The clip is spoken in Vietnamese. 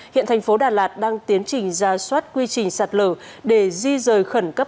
hiện thành phố đà lạt đang tiến trình ra soát quy trình sạt lở để di rời khẩn cấp